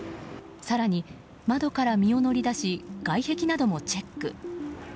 更に、窓から身を乗り出し外壁などもチェック。